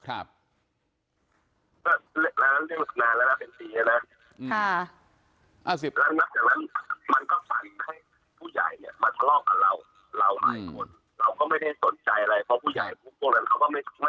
ซึ่งวันนั้นผมก็เรียกคนชื่ออาร์ตกับไอ้ปังมาให้มันต่อยกันตัว